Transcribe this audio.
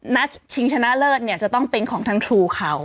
ชิงชนะเลิศเนี่ยจะต้องเป็นของทางทรูเขา